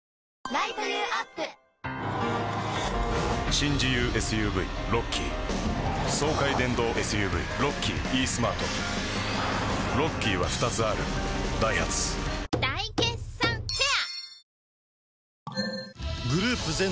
新自由ＳＵＶロッキー爽快電動ＳＵＶロッキーイースマートロッキーは２つあるダイハツ大決算フェア